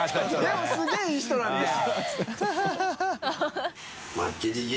でもすげぇいい人なんだよ！